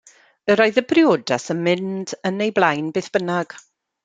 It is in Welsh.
Yr oedd y briodas yn mynd yn ei blaen beth bynnag.